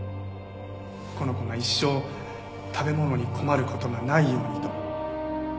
この子が一生食べ物に困る事がないようにと。